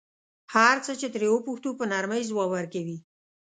هر څه چې ترې وپوښتو په نرمۍ ځواب ورکوي.